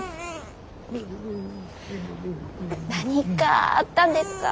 何かあったんですか？